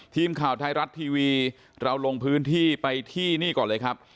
ทีมข่าวไทยรัฐทีวีเราลงพื้นที่ไปที่นี่ก่อนเลยครับ